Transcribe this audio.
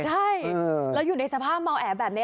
ใช่แล้วอยู่ในสภาพเมาแอแบบนี้